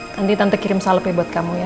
nanti tante kirim salepnya buat kamu ya